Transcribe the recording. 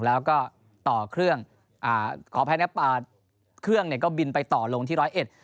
แล้วก็ต่อเครื่องขอแพ้นะครับเครื่องก็บินไปต่อลงที่ร้อยเอ็ด